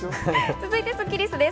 続いてスッキりす。